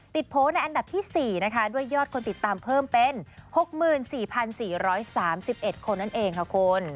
โพสต์ในอันดับที่๔นะคะด้วยยอดคนติดตามเพิ่มเป็น๖๔๔๓๑คนนั่นเองค่ะคุณ